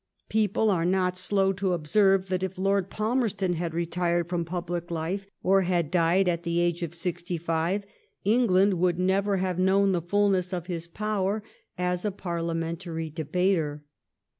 People were not slow to observe that if Lord Palmerston had retired from public life or had died at the age of sixty five, England would never have known the fulness of his power as a Parliamentary debater.